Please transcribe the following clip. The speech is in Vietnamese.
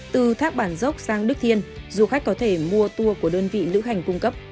từ thác bản dốc sang đức thiên du khách có thể mua tour của đơn vị lữ hành cung cấp